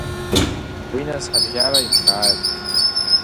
Уи, нас, ҳабжьара инхааит…